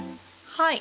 はい。